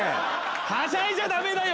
はしゃいじゃダメだよ！